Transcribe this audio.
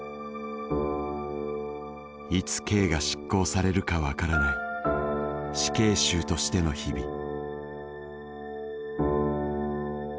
いつ刑が執行されるかわからない死刑囚としての日々。